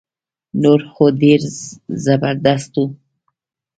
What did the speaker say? نور خو ډير زبردست وو